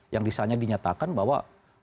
yang biasanya dinyatakan bahwa